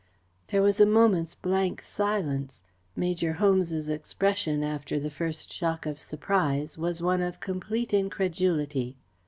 There was a moment's blank silence. Major Holmes's expression, after the first shock of surprise, was one of complete incredulity.